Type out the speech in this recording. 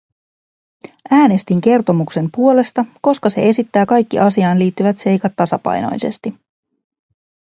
Äänestin kertomuksen puolesta, koska se esittää kaikki asiaan liittyvät seikat tasapainoisesti.